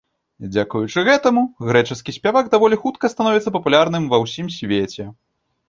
Дзякуючы гэтаму, грэчаскі спявак даволі хутка становіцца папулярным ва ўсім свеце.